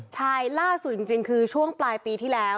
ใช่ล่าสุดจริงคือช่วงปลายปีที่แล้ว